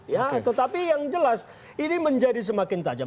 ya tetapi yang jelas ini menjadi semakin tajam